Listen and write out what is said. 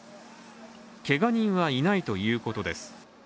けが人はいないということです。